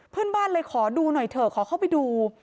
เพื่อนบ้านเลยขอดูหน่อยเถอะขอเข้าไปดู